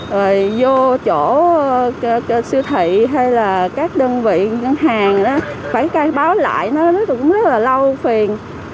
rồi vô chỗ siêu thị hay là các đơn vị ngân hàng đó phải cai báo lại nó cũng rất là lâu phiền